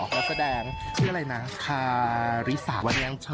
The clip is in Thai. วันนี้เกี่ยวกับกองถ่ายเราจะมาอยู่กับว่าเขาเรียกว่าอะไรอ่ะนางแบบเหรอ